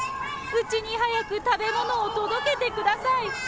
うちに早く食べ物を届けてください。